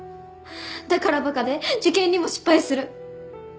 だから馬鹿で受験にも失敗する。